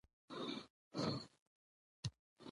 د چاپېریال ساتنې کلتور باید په خلکو کې عام شي.